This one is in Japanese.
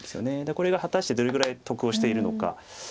これが果たしてどれぐらい得をしているのか。